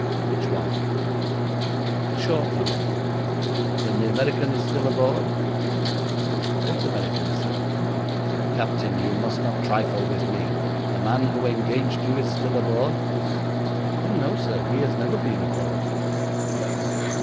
'Which one?' 'The short man.' 'Then the American is still aboard?' 'What American, sir?' 'Captain, you must not trifle with me. The man who engaged you is still aboard?' 'Oh, no, sir; he has never been aboard.'